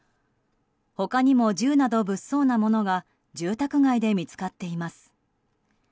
他にも銃など物騒なものが住宅街で見つかっています。